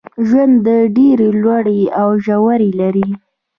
ژوند ډېري لوړي او ژوري لري.